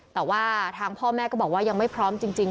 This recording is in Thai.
แต่ว่าทางพ่อแม่ก็บอกว่ายังไม่พร้อมจริง